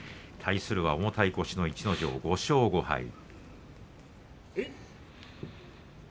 対するは重たい腰の逸ノ城５勝５敗。